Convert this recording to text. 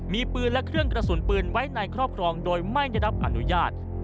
มีปืนและเครื่องกระสุนปืนไว้ในครอบครองโดยไม่ได้รับอนุญาต